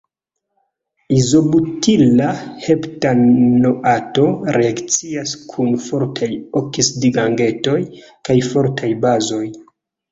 Izobutila heptanoato reakcias kun fortaj oksidigagentoj kaj fortaj bazoj.